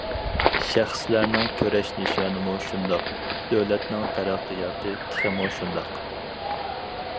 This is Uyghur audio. شەخسلەرنىڭ كۈرەش نىشانىمۇ شۇنداق، دۆلەتنىڭ تەرەققىياتى تېخىمۇ شۇنداق.